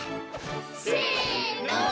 せの。